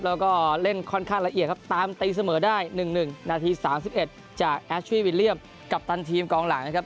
แล้วก็เล่นค่อนข้างละเอียดครับตามตีเสมอได้๑๑นาที๓๑จากแอชวี่วิลเลี่ยมกัปตันทีมกองหลังนะครับ